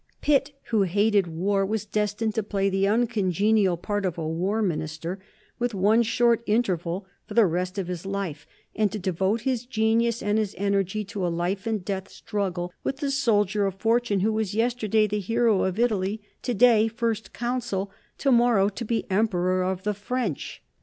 Pitt, who hated war, was destined to play the uncongenial part of a War Minister, with one short interval, for the rest of his life, and to devote his genius and his energy to a life and death struggle with the soldier of fortune who was yesterday the hero of Italy, to day First Consul, to morrow to be Emperor of the French.